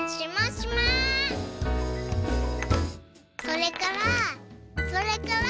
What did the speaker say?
それからそれから。